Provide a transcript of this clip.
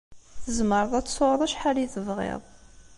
Tzemreḍ ad tesɛuḍ acḥal i tebɣiḍ.